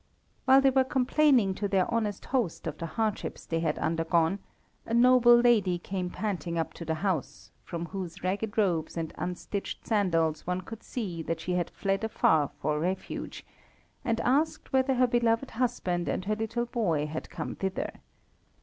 While they were complaining to their honest host of the hardships they had undergone, a noble lady came panting up to the house, from whose ragged robes and unstitched sandals one could see that she had fled afar for refuge, and asked whether her beloved husband and her little boy had come thither.